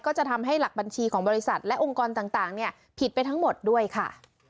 ก็จะทำให้หลักบัญชีของบริษัทและองค์กรต่างผิดไปทั้งหมดด้วยค่ะ